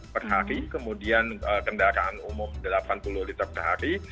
per hari kemudian kendaraan umum delapan puluh liter sehari